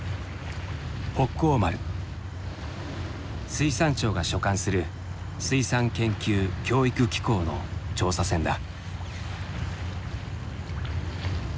水産庁が所管する水産研究・教育機構の調査船だ。